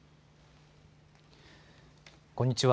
こんにちは。